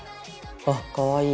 あかわいい。